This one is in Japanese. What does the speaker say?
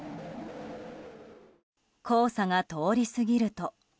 黄砂が通り過ぎると。